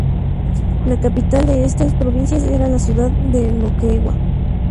La capital de esta provincia era la ciudad de Moquegua.